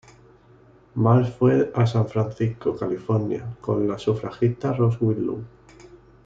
Burns fue a San Francisco, California, con la sufragista Rose Winslow.